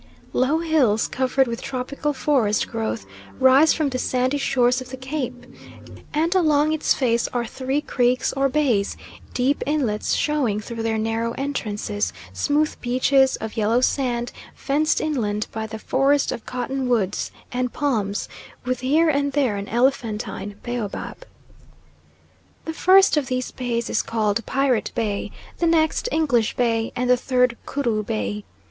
Low hills covered with tropical forest growth rise from the sandy shores of the Cape, and along its face are three creeks or bays, deep inlets showing through their narrow entrances smooth beaches of yellow sand, fenced inland by the forest of cotton woods and palms, with here and there an elephantine baobab. The first of these bays is called Pirate Bay, the next English Bay, and the third Kru Bay.